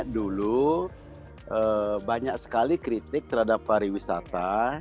dulu banyak sekali kritik terhadap pariwisata